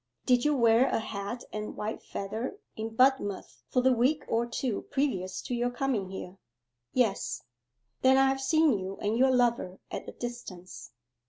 'Did you wear a hat and white feather in Budmouth for the week or two previous to your coming here?' 'Yes.' 'Then I have seen you and your lover at a distance!